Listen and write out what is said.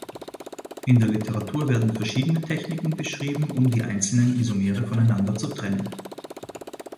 In der Literatur werden verschiedene Techniken beschrieben um die einzelnen Isomere voneinander zu trennen.